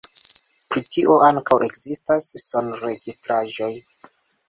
Pri tio ankaŭ ekzistas sonregistraĵoj.